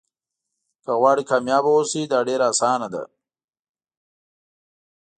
که غواړئ کامیابه واوسئ دا ډېره اسانه ده.